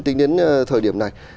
tính đến thời điểm này